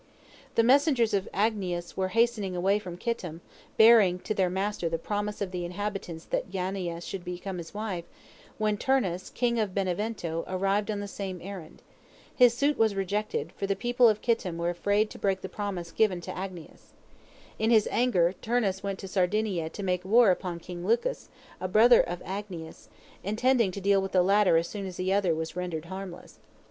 The messengers of Agnias were hastening away from Kittim, bearing to their master the promise of the inhabitants that Yaniah should become his wife, when Turnus, king of Benevento, arrived on the same errand. His suit was rejected, for the people of Kittim were afraid to break the promise given to Agnias. In his anger, Turnus went to Sardinia to make war upon King Lucus, a brother of Agnias, intending to deal with the latter as soon as the other was rendered harmless.